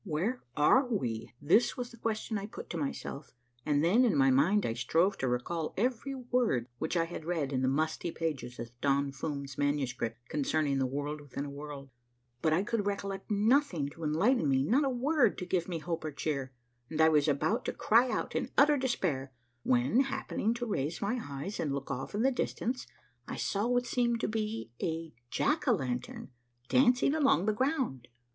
Where are we ? This was the question I put to myself, and then in my mind I strove to recall every word which I had read in the musty pages of Don Fum's manuscript concerning the World within a World ; but I could recollect nothing to enlight en me, not a word to give me hope or cheer, and I was about to cry out in utter despair when, happening to raise my eyes and look off in the distance, I saw what seemed to me to be a jack a lantern dancing along on the ground.